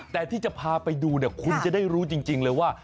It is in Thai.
แต่ที่จะพาไปดูเนี่ยคุณจะได้รู้จริงเลยว่า